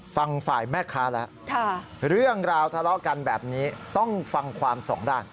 ฟังฝ่ายแม่ค้าแล้วเรื่องราวทะเลาะกันแบบนี้ต้องฟังความสองด้าน